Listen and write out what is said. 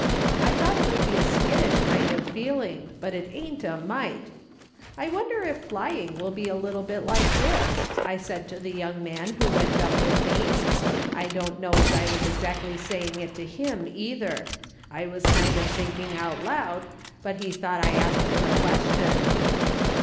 I thought it would be a skittish kind of feeling, but it ain't a mite. ' I wonder if flying will be a little bit like this ?' I said to the young man who went up with me. I don't know as I was exactly saying it to him, either ; I was kind of thinking out loud ; but he thought I asked him a question.